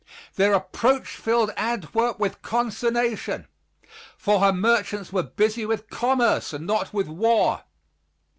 Their approach filled Antwerp with consternation, for her merchants were busy with commerce and not with war.